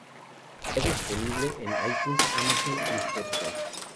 Ya disponibles en iTunes, Amazon y Spotify.